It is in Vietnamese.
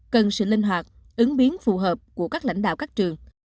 cần sự linh hoạt ứng biến phù hợp của các lãnh đạo các trường